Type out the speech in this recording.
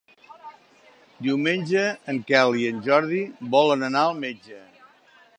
Diumenge en Quel i en Jordi volen anar al metge.